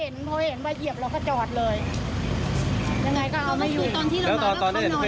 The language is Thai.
ท่านเจอมาประมาณ๒เมตรได้นอนเลย